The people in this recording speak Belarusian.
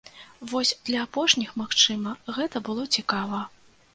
Вось для апошніх, магчыма, гэта было цікава.